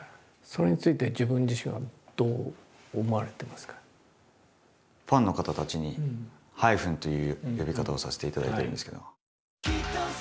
それについて自分自身はどう思われてますか？という呼び方をさせていただいてるんですけど。